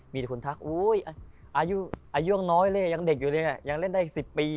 มีแต่คนทักอายุยังน้อยเลยยังเด็กอยู่เลยยังเล่นได้อีก๑๐ปี